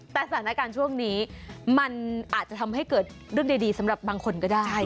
แต่สถานการณ์ช่วงนี้มันอาจจะทำให้เกิดเรื่องดีสำหรับบางคนก็ได้